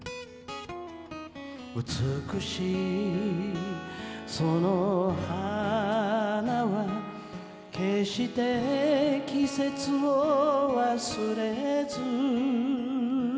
「美しいその花は決して季節を忘れずに」